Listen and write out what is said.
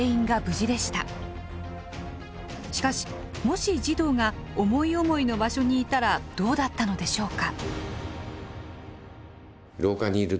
しかしもし児童が思い思いの場所にいたらどうだったのでしょうか？